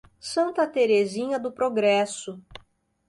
Santa Terezinha do Progresso